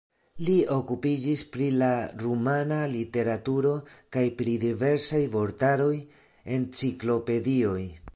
Li okupiĝis pri la rumana literaturo kaj pri diversaj vortaroj, enciklopedioj.